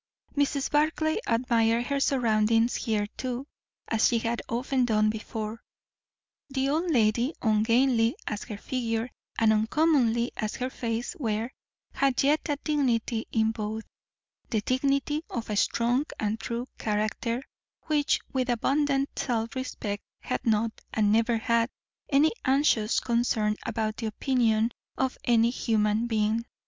Mrs. Barclay admired her surroundings here too, as she had often done before. The old lady, ungainly as her figure and uncomely as her face were, had yet a dignity in both; the dignity of a strong and true character, which with abundant self respect, had not, and never had, any anxious concern about the opinion of any human being.